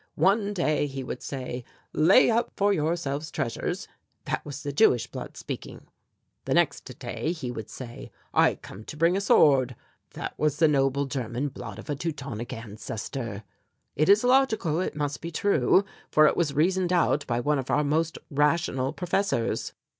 One day he would say: 'Lay up for yourself treasures' that was the Jewish blood speaking. The next day he would say: 'I come to bring a sword' that was the noble German blood of a Teutonic ancestor. It is logical, it must be true, for it was reasoned out by one of our most rational professors."